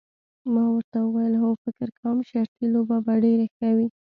ما ورته وویل هو فکر کوم شرطي لوبه به ډېره ښه وي.